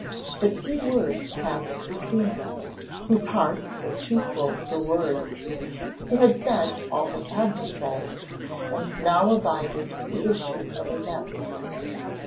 But few words passed between them, whose hearts were too full for words, who had said all they had to say, and now abided the issue of events.